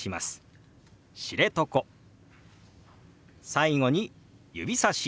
最後に指さし。